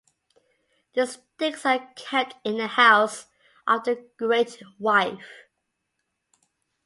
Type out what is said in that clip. The sticks are kept in the house of the great wife.